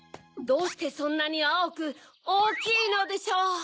どうしてそんなにあおくおおきいのでしょう！